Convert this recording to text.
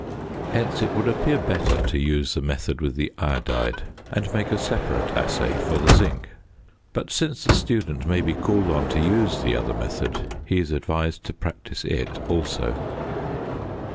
Hence it would appear better to use the method with the iodide and make a separate assay for the zinc. But since the student may be called on to use the other method, he is advised to practice it also.